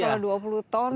jadi kalau dua puluh ton